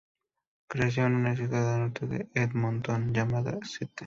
Creció en una ciudad al norte de Edmonton, llamada St.